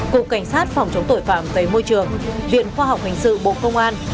cục cảnh sát phòng chống tội phạm về môi trường viện khoa học hình sự bộ công an